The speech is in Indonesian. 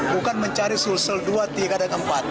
bukan mencari sulus sel dua tiga dan empat